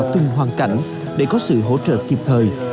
từng hoàn cảnh để có sự hỗ trợ kịp thời